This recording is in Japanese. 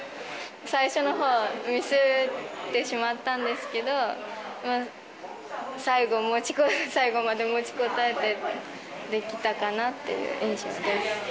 最初のほう、ミスってしまったんですけど、最後まで持ちこたえてできたかなっていう印象です。